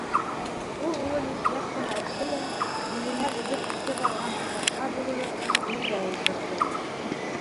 Ул улын ипләп кенә этте лә, биленән өҙөп киҫеп алған тулғаҡҡа бөгөлөп, ергә ултырҙы.